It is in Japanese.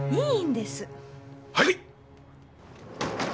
はい！